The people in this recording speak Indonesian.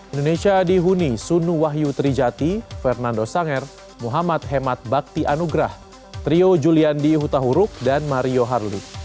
indonesia dihuni sunu wahyu trijati fernando sanger muhammad hemat bakti anugrah trio juliandi hutahuruk dan mario harley